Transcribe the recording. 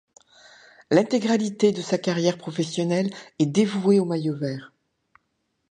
L’intégralité de sa carrière professionnelle est dévouée au maillot vert.